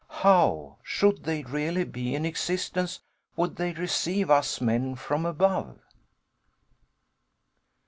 How, should they really be in existence, would they receive us men from above?